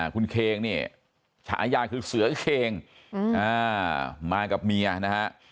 คุณเคงเนี่ยฉายาคือเสือเคงมากับเมียนะฮะ